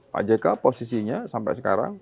pak jk posisinya sampai sekarang